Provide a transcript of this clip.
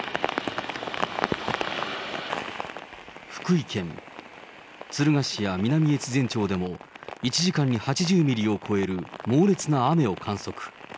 福井県、敦賀市や南越前町でも、１時間に８０ミリを超える猛烈な雨を観測。